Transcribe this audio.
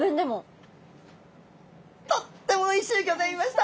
とってもおいしゅうギョざいました！